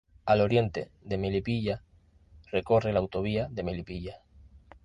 Al oriente de Melipilla, recorre la Autovía de Melipilla.